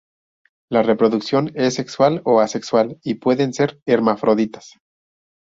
La reproducción es sexual o asexual y pueden ser hermafroditas.